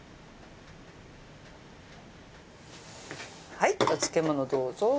はいお漬物どうぞ。